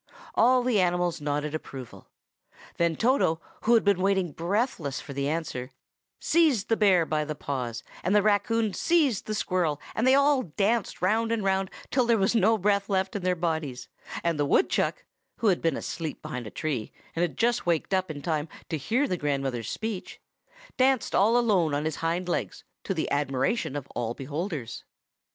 All the animals nodded approval. Then Toto, who had been waiting breathless for the answer, seized the bear by the paws, and the raccoon seized the squirrel, and they all danced round and round till there was no breath left in their bodies; and the woodchuck—who had been asleep behind a tree, and had waked up just in time to hear the grandmother's speech—danced all alone on his hind legs, to the admiration of all beholders.